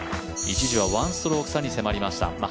一時は１ストローク差に迫りました